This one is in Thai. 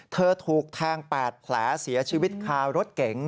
ถูกแทง๘แผลเสียชีวิตคารถเก๋ง